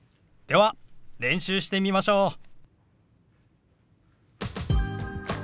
では練習してみましょう。